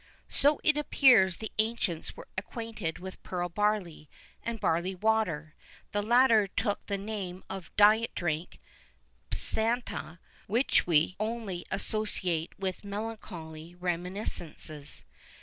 [V 12] So it appears the ancients were acquainted with pearl barley, and barley water; the latter took the name of diet drink (ptisana), which we only associate with melancholy reminiscences.